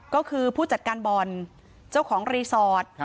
ก็คือผู้จัดการบ่อนเจ้าของรีสอร์ท